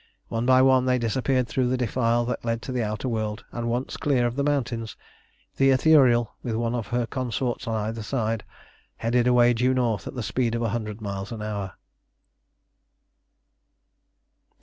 One by one they disappeared through the defile that led to the outer world, and, once clear of the mountains, the Ithuriel, with one of her consorts on either side, headed away due north at the speed of a hundred miles an hour.